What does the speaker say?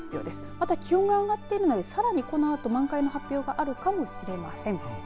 まだ気温が上がっているのでこのあとさらに満開の発表があるかもしれません。